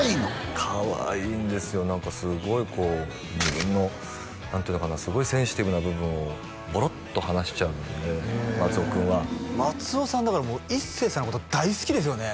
何かすごいこう自分の何ていうのかなすごいセンシティブな部分をボロッと話しちゃうんで松尾くんは松尾さんだから一生さんのこと大好きですよね